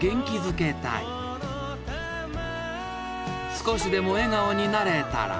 ［少しでも笑顔になれたら］